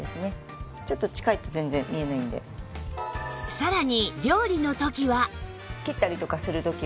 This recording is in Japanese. さらに